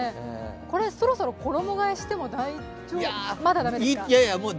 そろそろ衣替えしても大丈夫まだだめですか？